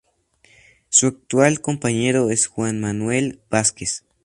Su actual compañero es Juan Manuel Vázquez.